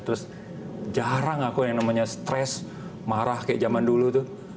terus jarang aku yang namanya stres marah kayak zaman dulu tuh